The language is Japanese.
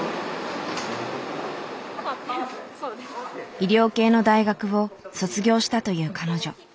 医療系の大学を卒業したという彼女。